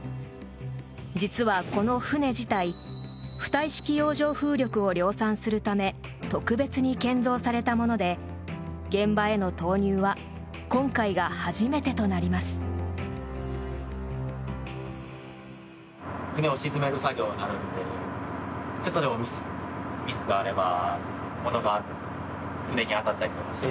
実は、この船自体浮体式洋上風力を量産するため特別に建造されたもので現場への投入は今回が初めてとなります。